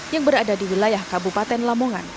yang berada di wilayah kabupaten lamongan